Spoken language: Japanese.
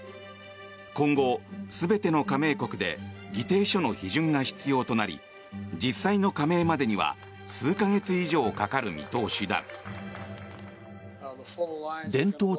今後、全ての加盟国で議定書の批准が必要となり実際の加盟までには数か月以上かかる見通しだ。